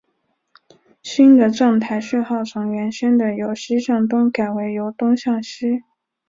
新的站台序号从原先的由西向东改为由东向西。